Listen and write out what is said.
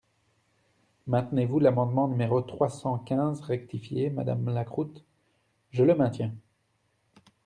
Maintenez-vous l’amendement numéro trois cent quinze rectifié, madame Lacroute ? Je le maintiens.